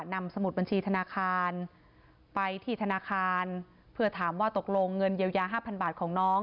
สมุดบัญชีธนาคารไปที่ธนาคารเพื่อถามว่าตกลงเงินเยียวยา๕๐๐บาทของน้อง